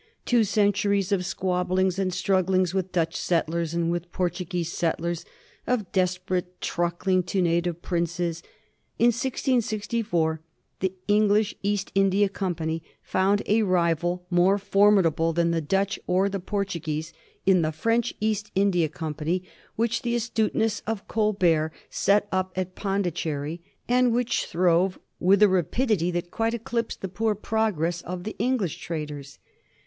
Two centuries of squab blings and stragglings with Dutch settlers and with Port uguese settlers, of desperate truckling to native princes. In 1664 the English East India Company found a rival more formidable than the Dutch or the Portuguese in the French East India Company, which the astuteness of Col bert set up at Pondicherry, and which throve with a ra pidity that quite eclipsed the poor progress of the English traders.